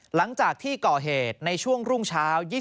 หลังจากที่ก่อเหตุในช่วงรุ่งเช้า